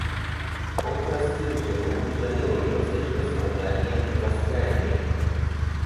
Он простил жену и жалел ее за ее страдания и раскаяние.